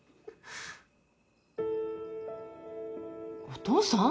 お父さん？